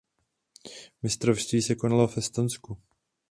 Mistrovství se konalo v Estonsku.